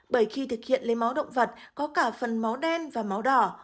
bởi khi thực hiện lấy máu động vật có cả phần máu đen và máu đỏ